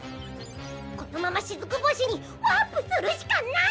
このまましずく星にワープするしかない！